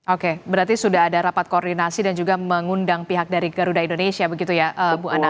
oke berarti sudah ada rapat koordinasi dan juga mengundang pihak dari garuda indonesia begitu ya bu anna